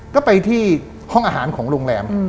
ก็ไปที่ห้องอาหารของโรงแรม